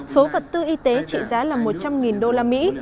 số vật tư y tế trị giá là một trăm linh đô la mỹ